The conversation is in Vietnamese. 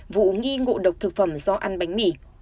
vụ nghi ngộ độc thực phẩm do ăn bánh mì